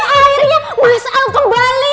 akhirnya mas al kembali